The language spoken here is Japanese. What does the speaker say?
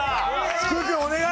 福君お願い！